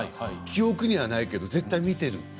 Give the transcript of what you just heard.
記憶にはないけど絶対に見ているんです。